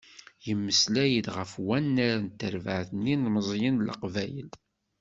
Yemmeslay-d ɣef wannar n terbeɛt n yilmeẓyen n Leqbayel.